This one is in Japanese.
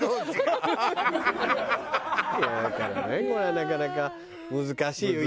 これはなかなか難しいよ。